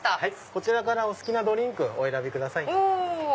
こちらからお好きなドリンクお選びください。